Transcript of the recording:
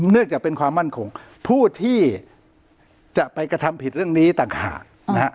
เนื่องจากเป็นความมั่นคงผู้ที่จะไปกระทำผิดเรื่องนี้ต่างหากนะฮะ